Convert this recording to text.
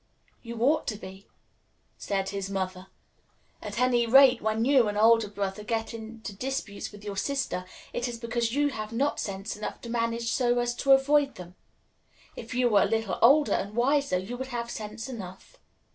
"You ought to be," said his mother. "At any rate, when you, an older brother, get into disputes with your sister, it is because you have not sense enough to manage so as to avoid them. If you were a little older and wiser you would have sense enough."